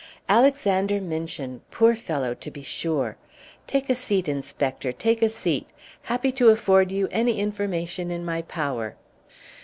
"Alexander Minchin poor fellow to be sure! Take a seat, Inspector, take a seat. Happy to afford you any information in my power."